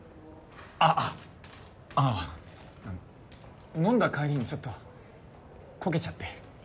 ああああ飲んだ帰りにちょっとコケちゃって。